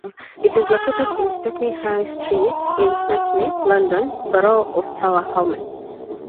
It is located in Stepney High Street, in Stepney, London Borough of Tower Hamlets.